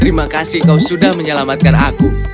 terima kasih kau sudah menyelamatkan aku